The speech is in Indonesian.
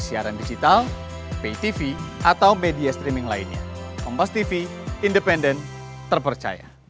siaran digital pay tv atau media streaming lainnya kompas tv independen terpercaya